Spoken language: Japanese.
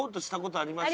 ありますね。